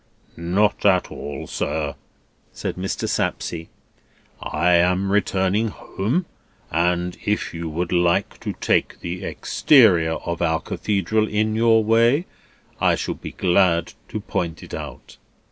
"Not at all, sir," said Mr. Sapsea. "I am returning home, and if you would like to take the exterior of our Cathedral in your way, I shall be glad to point it out."